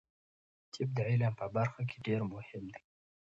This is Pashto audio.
طب د علم په برخه کې ډیر مهم دی.